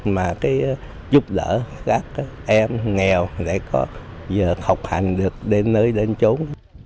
mà giúp đỡ các em nghèo để có giờ học hành được đến nơi đến chốn